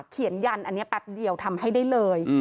ยันอันนี้แป๊บเดียวทำให้ได้เลย